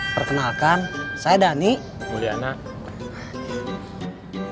perkenalkan saya dany puliana brutal pilihan